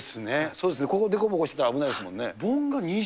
そうですね、ここでこぼこしてたら危ないですもんね。